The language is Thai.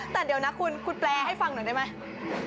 แต่เดี๋ยวนะคุณคุณแปลให้ฟังหน่อยได้ไหม